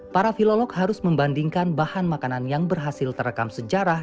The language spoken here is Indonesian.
para filolog harus membandingkan bahan makanan yang berhasil terekam sejarah